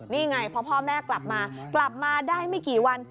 นี่ไงพอพ่อแม่กลับมากลับมาได้ไม่กี่วัน